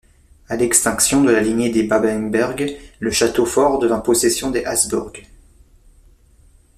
À l'extinction de la lignée des Babenberg, le château fort devint possession des Habsbourg.